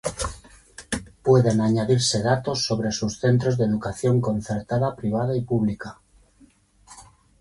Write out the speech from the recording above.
Pueden añadirse datos sobre sus centros de educación concertada, privada y pública.